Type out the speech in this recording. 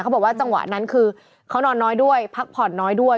บอกว่าจังหวะนั้นคือเขานอนน้อยด้วยพักผ่อนน้อยด้วย